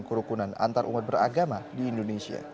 kerukunan antarumat beragama di indonesia